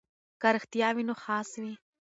که رښتیا وي نو خاص وي.